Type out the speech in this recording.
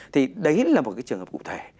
thì đấy là một cái trường hợp cụ thể